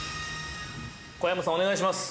◆小山さん、お願いします。